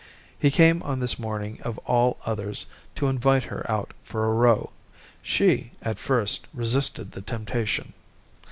He came on this morning of all others to invite her out for a row. She, at first, resisted the temptation.